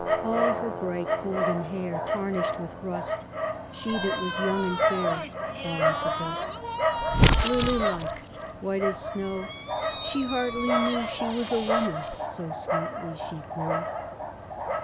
All her bright golden hair Tarnished with rust, She that was young and fair Fallen to dust. Lily like, white as snow, She hardly knew She was a woman, so Sweetly she grew.